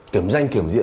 kiểm danh kiểm diện